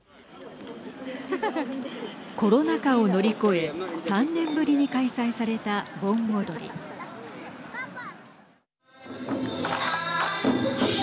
コロナ禍を乗り越え３年ぶりに開催された盆踊り。